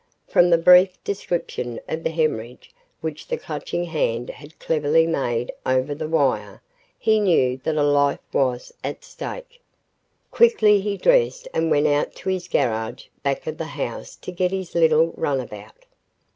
From the brief description of the "hemorrhage" which the Clutching Hand had cleverly made over the wire, he knew that a life was at stake. Quickly he dressed and went out to his garage, back of the house to get his little runabout.